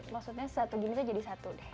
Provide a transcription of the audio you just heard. maksudnya satu gini tuh jadi satu deh